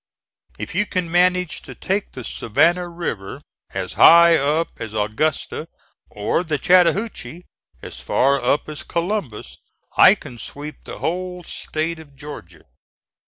If you can manage to take the Savannah River as high up as Augusta, or the Chattahoochee as far up as Columbus, I can sweep the whole State of Georgia."